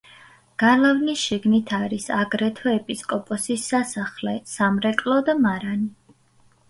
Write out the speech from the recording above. გალავნის შიგნით არის აგრეთვე ეპისკოპოსის სასახლე, სამრეკლო და მარანი.